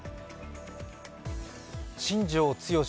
新庄剛志